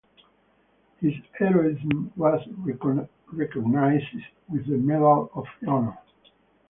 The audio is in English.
His heroism was recognized with the Medal of Honor.